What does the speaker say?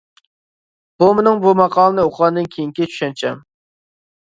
بۇ مېنىڭ بۇ ماقالىنى ئوقۇغاندىن كېيىنكى چۈشەنچەم.